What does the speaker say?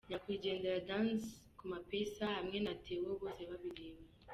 Nyakwigendera Danz Kumapeesa hamwe na Theo Bosebabireba.